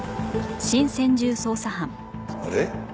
あれ？